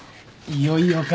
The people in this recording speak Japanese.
いよいよか。